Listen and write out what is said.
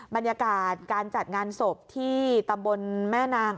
บรรยากาศการจัดงานศพที่ตำบลแม่นาง